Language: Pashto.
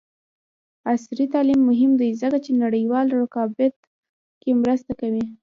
عصري تعلیم مهم دی ځکه چې نړیوال رقابت کې مرسته کوي.